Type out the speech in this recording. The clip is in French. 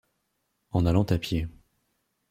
En allant à pied.